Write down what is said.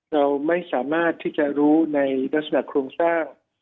เราไม่สามารถที่จะรู้ในลักษณะโครงสร้าง